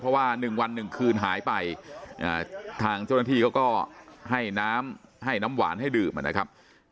เพราะว่า๑วัน๑คืนหายไปทางเจ้าหน้าที่เขาก็ให้น้ำให้น้ำหวานให้ดื่มนะครับ